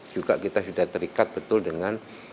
juga kita sudah terikat betul dengan